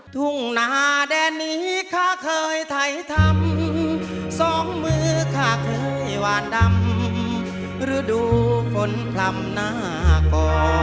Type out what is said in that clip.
ทุ่งนาแดนนี้ข้าเคยถ่ายทำสองมือข้าเคยหวานดำฤดูฝนพร่ำหน้าก่อ